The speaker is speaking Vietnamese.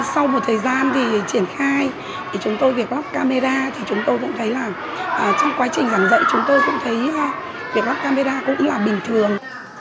sau một thời gian thì triển khai thì chúng tôi việc lắp camera thì chúng tôi cũng thấy là trong quá trình giảng dạy chúng tôi cũng thấy việc lắp camera cũng là bình thường